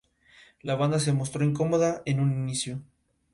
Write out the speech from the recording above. Comenzó a practicar este deporte en un centro para niños desplazados en Kinshasa.